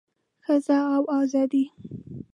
ښځه او ازادي